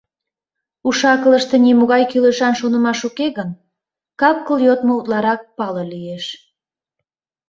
Уш-акылыште нимогай кӱлешан шонымаш уке гын, кап-кыл йодмо утларак пале лиеш.